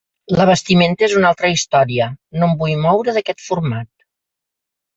La vestimenta és una altra història, no em vull moure d’aquest format.